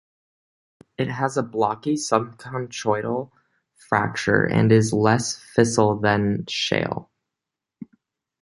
It has a blocky subconchoidal fracture, and is less fissile than shale.